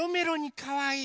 かわいい！